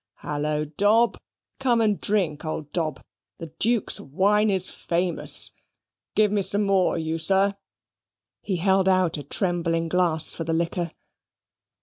"Hullo, Dob! Come and drink, old Dob! The Duke's wine is famous. Give me some more, you sir"; and he held out a trembling glass for the liquor.